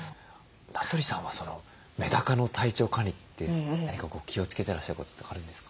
名取さんはメダカの体調管理って何か気をつけてらっしゃることとかあるんですか？